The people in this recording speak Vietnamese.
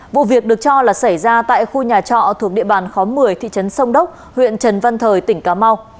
vụ việc được cho là xảy ra tại khu nhà trọ thuộc địa bàn khóm một mươi thị trấn sông đốc huyện trần văn thời tỉnh cà mau